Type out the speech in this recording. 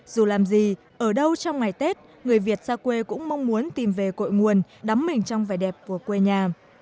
dù làm gì ở đâu trong ngày tết người việt ra quê cũng mong muốn tìm về cội nguồn đắm mình trong vẻ đẹp của quê nhà